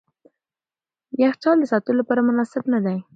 یخچال د ساتلو لپاره مناسب نه دی.